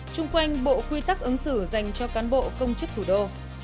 chung quanh bộ quy tắc ứng xử dành cho cán bộ công chức thủ đô